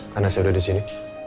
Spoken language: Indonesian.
karena saya udah disini